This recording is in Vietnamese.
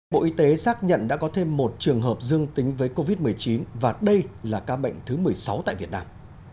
bộ y tế xác nhận đã có thêm một trường hợp dương tính với covid một mươi chín và đây là ca bệnh thứ một mươi sáu tại việt nam